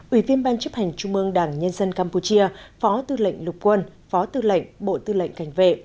ủy viên ban chấp hành trung mương đảng nhân dân campuchia phó tư lệnh lục quân phó tư lệnh bộ tư lệnh cảnh vệ